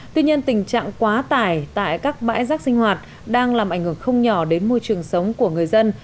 tuy nhiên tình trạng quá tải tại các bãi rác sinh hoạt đang làm ảnh hưởng không nhỏ đến môi trường sống của người dân